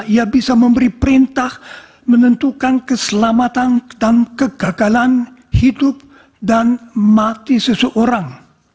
ia bisa memberi perintah menentukan keselamatan dan kegagalan hidup dan mati seseorang